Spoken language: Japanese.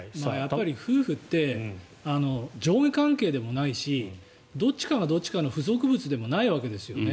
夫婦って上下関係でもないしどっちかがどっちかの付属物でもないわけですよね。